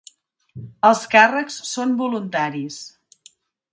Els càrrecs són voluntaris.